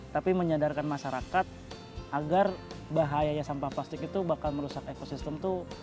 tapi menyadarkan masyarakat agar bahayanya sampah plastik itu bakal merusak ekosistem tuh